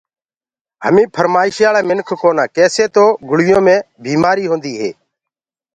همينٚ ڦرمآشِيآݪآ منکِ ڪونآ ڪيسي تو گُݪيو مي بيٚمآريٚ هونٚديٚ هي